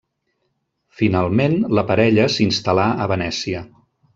Finalment la parella s'instal·là a Venècia.